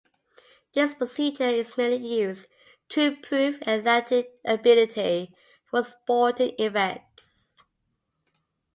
This procedure is mainly used to improve athletic ability for sporting events.